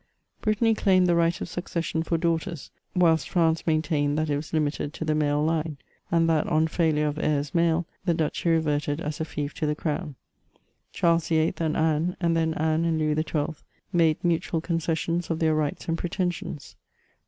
Brittany claimed the right of succession for daughters, whilst France main tained that it was limited to the male line ; and that on failure of heirs male, the duchy reverted as a fief to the crown. Charles VIII. and Anne, and then Anne and Louis XII. made mutual concessions of their rights and pretensions.